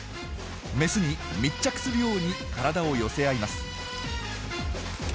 メスに密着するように体を寄せ合います。